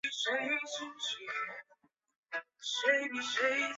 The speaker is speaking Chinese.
龙骨砂藓为紫萼藓科砂藓属下的一个种。